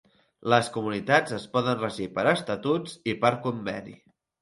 Les comunitats es poden regir per Estatuts i per Conveni.